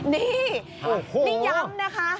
นี่นี่ย้ำนะคะ